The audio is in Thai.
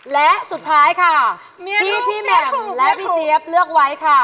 และสุดท้ายค่ะที่พี่แหม่มและพี่เจี๊ยบเลือกไว้ค่ะ